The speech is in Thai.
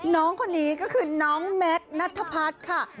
น้องคนนี้ก็คือน้องแมทนัทพัฒน์ค่ะ